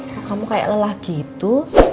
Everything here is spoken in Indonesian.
wah kamu kayak lelah gitu